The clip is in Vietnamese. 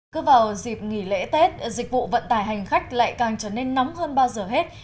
cứ vào dịp nghỉ lễ tết dịch vụ vận tải hành khách lại càng trở nên nóng hơn bao giờ hết